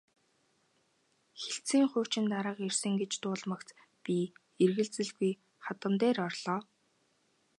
Хэлтсийн хуучин дарга ирсэн гэж дуулмагц би эргэлзэлгүй хадам дээр орлоо.